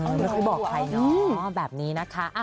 ไม่ค่อยบอกใครเนาะแบบนี้นะคะ